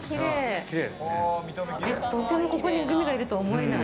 とてもここにグミがいるとは思えない。